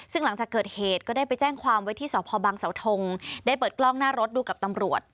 ซึ่งหลังจากเกิดเหตุก็ได้ไปแจ้งความไว้ที่สพบังเสาทงได้เปิดกล้องหน้ารถดูกับตำรวจ